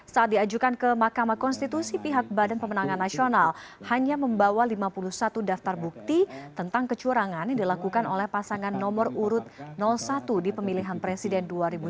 saat diajukan ke mahkamah konstitusi pihak badan pemenangan nasional hanya membawa lima puluh satu daftar bukti tentang kecurangan yang dilakukan oleh pasangan nomor urut satu di pemilihan presiden dua ribu sembilan belas